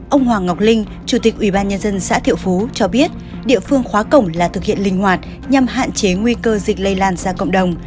ông hoàng ngọc linh chủ tịch ủy ban nhân dân xã thiệu phú cho biết địa phương khóa cổng là thực hiện linh hoạt nhằm hạn chế nguy cơ dịch lây lan ra cộng đồng